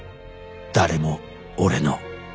誰も俺の